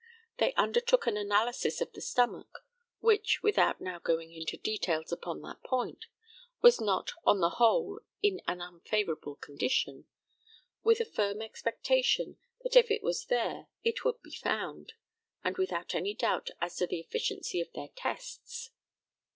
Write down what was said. They undertook an analysis of the stomach (which, without now going into details upon that point, was not on the whole in an unfavourable condition) with a firm expectation that if it was there it would be found, and without any doubt as to the efficiency of their tests.